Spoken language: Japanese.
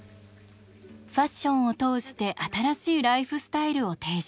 ファッションを通して新しいライフスタイルを提示。